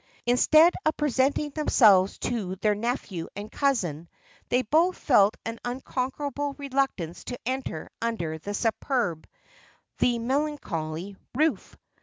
Instead of presenting themselves to their nephew and cousin, they both felt an unconquerable reluctance to enter under the superb, the melancholy, roof.